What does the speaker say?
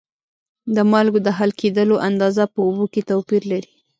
د مالګو د حل کیدلو اندازه په اوبو کې توپیر لري.